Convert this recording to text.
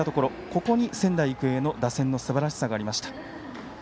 ここに仙台育英の打線のすばらしさがありました。